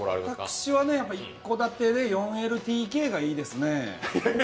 私は一戸建てで４ＬＤＫがいいですね。